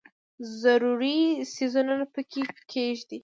ضروري څیزونه پکې کښېږدي.